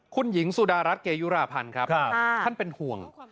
คุณหญิงสุดารัฐเกยุราพันธ์ครับท่านเป็นห่วง